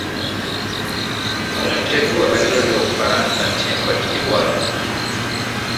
kumtegua balozi wa ufaransa nchini cote de voire